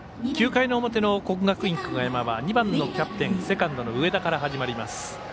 ９回の表の国学院久我山は２番のキャプテンセカンドの上田から始まります。